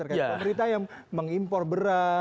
terkait pemerintah yang mengimpor berat